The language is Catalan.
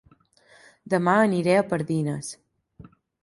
Dema aniré a Pardines